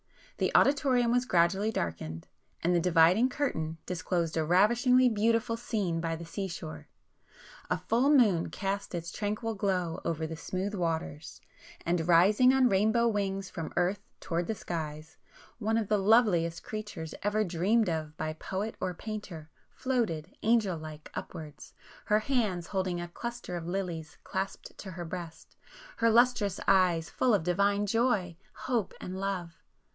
The auditorium was gradually darkened,—and the dividing curtain disclosed a ravishingly beautiful scene by the sea shore. A full moon cast its tranquil glory over the smooth waters, and,—rising on rainbow wings from earth towards the skies, one of the loveliest creatures ever dreamed of by poet or painter, floated angel like upwards, her hands holding a cluster of lilies clasped to her breast,—her lustrous eyes full of divine joy, hope, and love.